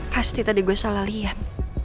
pasti tadi gue salah lihat